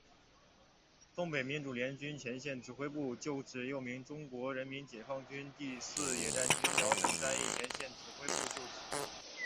东北民主联军前线指挥部旧址又名中国人民解放军第四野战军辽沈战役前线指挥部旧址。